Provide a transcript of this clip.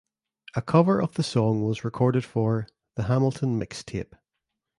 A cover of the song was recorded for "The Hamilton Mixtape".